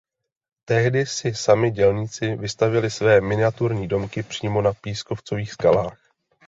Tehdy si sami dělníci vystavěli své miniaturní domky přímo na pískovcových skalách.